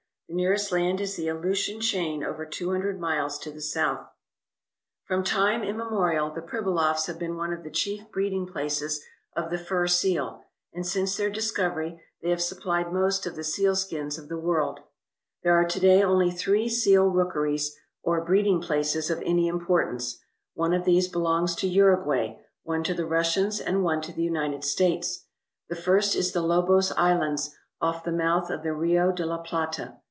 The nearest land is the Aleutian Chain over two hundred miles to the south. 230 FUR SEALS AND FOX FARMS From time immemorial the Pribilofs have been one of the chief breeding places of the fur seal, and since their discovery they have supplied most of the sealskins of the world. There are to day only three seal rookeries, or breeding places, of any importance. One of these belongs to Uruguay, one to the Russians, and one to the United States. The first is the Lobos I slands, off the mouth of the Rio de la Plata.